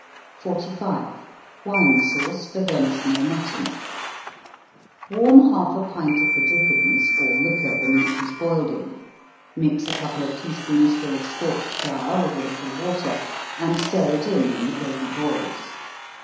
45. Wine Sauce for Venison or Mutton. Warm half a pint of the drippings, or liquor the meat was boiled in mix a couple of tea spoonsful of scorched flour with a little water, and stir it in when the gravy boils.